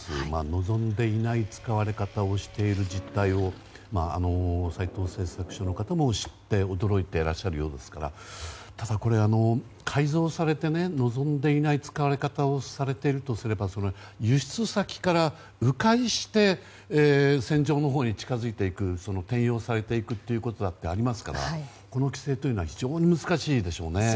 望んでいない使われ方をしている実態を斎藤製作所の方も知って驚いていらっしゃるようですからただ、これは改造されて望んでいない使われ方をされているとすれば輸出先から迂回して戦場のほうに近づいていく転用されていくということだってありますからこの規制というのは非常に難しいでしょうね。